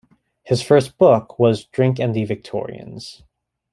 His first book was Drink and the Victorians.